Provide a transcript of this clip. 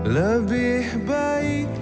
lebih baik cukup